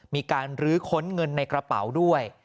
มีการลื้อค้นเงินในกระเป๋าด้วย